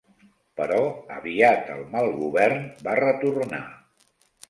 Però aviat el mal govern va retornar.